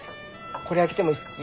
これ開けてもいいですか？